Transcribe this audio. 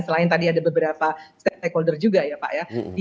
selain tadi ada beberapa stakeholder juga ya pak ya